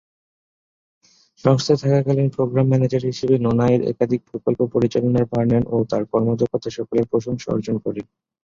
সংস্থায় থাকাকালীন program manager হিসাবে নোনা এর একাধিক প্রকল্প পরিচালনার ভার নেন ও তাঁর কর্মদক্ষতা সকলের প্রশংসা অর্জন করে।